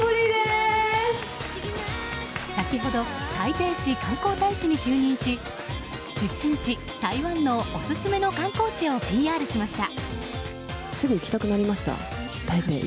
先ほど台北市観光大使に就任し出身地・台湾のオススメの観光地をＰＲしました。